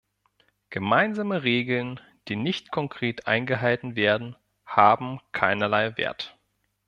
Gemeinsame Regeln, die nicht konkret eingehalten werden, haben keinerlei Wert.